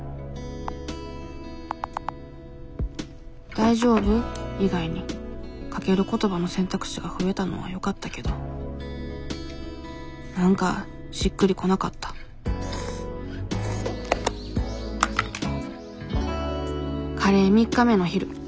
「大丈夫？」以外にかける言葉の選択肢が増えたのはよかったけど何かしっくりこなかったカレー３日目の昼。